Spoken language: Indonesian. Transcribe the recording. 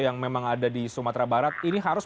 yang memang ada di sumatera barat ini harus